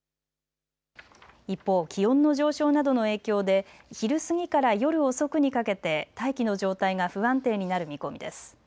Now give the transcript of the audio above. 一方、気温の上昇などの影響で昼過ぎから夜遅くにかけて大気の状態が不安定になる見込みです。